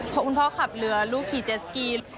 พอคุณพ่อขับเรือลูกขี่เจสกี